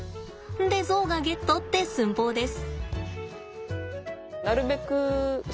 でゾウがゲットって寸法です。